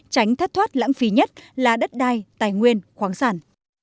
tránh thất thoát lãng phí nhất là đất đai tài nguyên khoáng sản